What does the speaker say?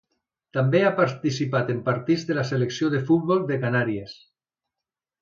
També ha participat en partits de la selecció de futbol de Canàries.